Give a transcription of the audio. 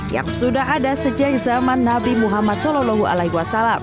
yang sudah ada sejak zaman nabi muhammad saw